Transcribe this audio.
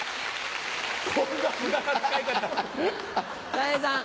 たい平さん。